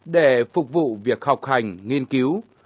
để phục vụ việc học hành nghiên cứu